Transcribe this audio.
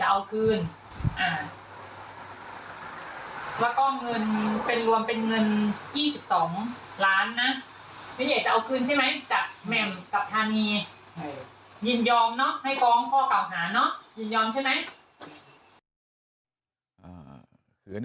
หรือไม่นี่อีกคลิปหนึ่ง